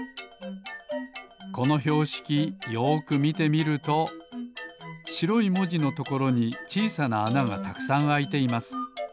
このひょうしきよくみてみるとしろいもじのところにちいさなあながたくさんあいています。